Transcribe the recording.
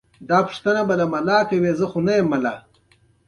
سیالي شرکتونه پیاوړي کوي.